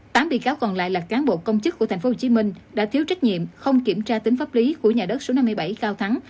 tám bị cáo còn lại là cán bộ công chức của tp hcm đã thiếu trách nhiệm không kiểm tra tính pháp lý của nhà đất số năm mươi bảy cao thắng